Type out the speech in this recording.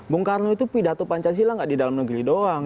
bung karno itu pidato pancasila nggak di dalam negeri doang